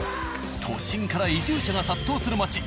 都心から移住者が殺到する街